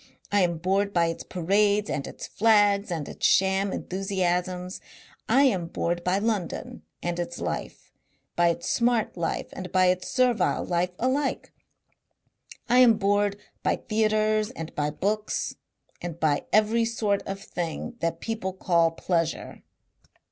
I am bored by its parades and its flags and its sham enthusiasms. I am bored by London and its life, by its smart life and by its servile life alike. I am bored by theatres and by books and by every sort of thing that people call pleasure.